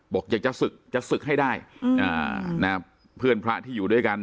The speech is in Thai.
บอกอยากจะศึกจะศึกให้ได้เพื่อนพระที่อยู่ด้วยกัน